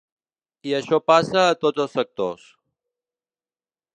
I això passa a tots els sectors.